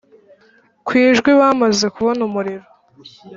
kwijwi bamaze kubona umuriro